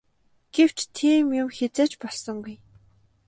Гэвч тийм юм хэзээ ч болсонгүй.